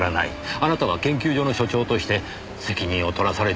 あなたは研究所の所長として責任を取らされてしまう事になる。